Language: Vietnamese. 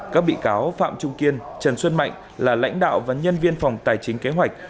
các bị cáo phạm trung kiên trần xuân mạnh là lãnh đạo và nhân viên phòng tài chính kế hoạch